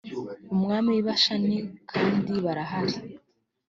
umwami w i bashani k kandi barahari